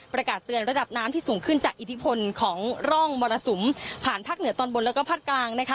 ประกาศเตือนระดับน้ำที่สูงขึ้นจากอิทธิพลของร่องมรสุมผ่านภาคเหนือตอนบนแล้วก็ภาคกลางนะคะ